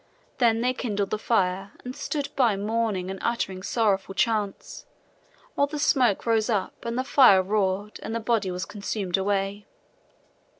Then they kindled the fire and stood by mourning and uttering sorrowful chants, while the smoke rose up and the fire roared and the body was consumed away.